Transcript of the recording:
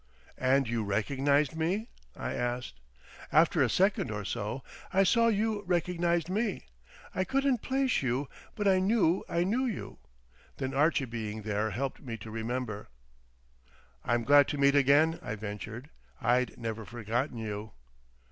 "And you recognised me?" I asked. "After a second or so. I saw you recognised me. I couldn't place you, but I knew I knew you. Then Archie being there helped me to remember." "I'm glad to meet again," I ventured. "I'd never forgotten you."